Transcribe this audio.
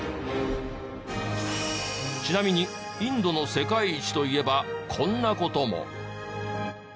ちなみにインドの世界一といえばこんな事も。